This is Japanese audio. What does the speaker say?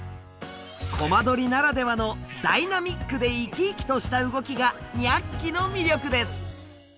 コマ撮りならではのダイナミックで生き生きとした動きがニャッキの魅力です。